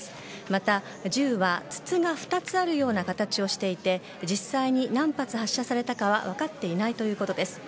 また、銃は筒が２つあるような形をしていて実際に何発発射されたかは分かっていないということです。